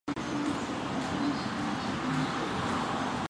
尼米兹即时要求弗莱彻将约克镇号带回中太平洋。